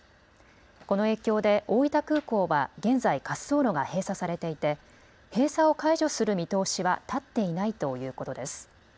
この影響で大分空港は現在滑走路が閉鎖されていて閉鎖を解除する見通しは立っていないということです。